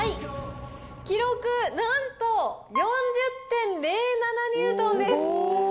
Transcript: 記録、なんと４０．０７ニュートンです。